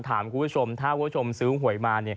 คุณผู้ชมถ้าคุณผู้ชมซื้อหวยมา